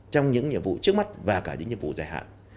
trong những nhiệm vụ trước mắt và cả những nhiệm vụ giải hạn